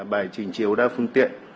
bài trình chiếu đa phương tiện